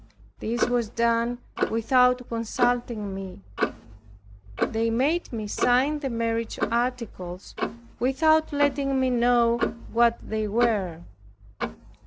This was done without consulting me. They made me sign the marriage articles without letting me know what they were.